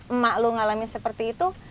emak lo ngalamin seperti itu